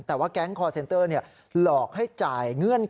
แต่ว่าแก๊งคอร์เซนเตอร์หลอกให้จ่ายเงื่อนไข